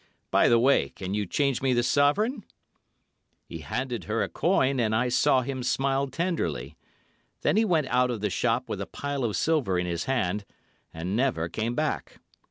By the way, can you change me this sovereign?" He handed her a coin, and I saw him smile tenderly. Then he went out of the shop with a pile of silver in his hand—and never came back.